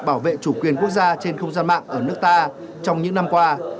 bảo vệ chủ quyền quốc gia trên không gian mạng ở nước ta trong những năm qua